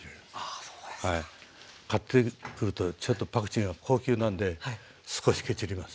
あそうですか。買ってくるとちょっとパクチーが高級なんで少しケチります。